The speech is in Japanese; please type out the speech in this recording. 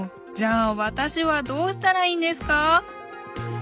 じゃあ私はどうしたらいいんですか？